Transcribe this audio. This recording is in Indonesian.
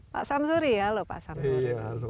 pak samsuri halo pak samsuri